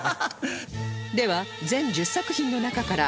では全１０作品の中から